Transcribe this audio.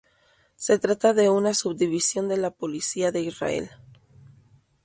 Se trata de una subdivisión de la Policía de Israel.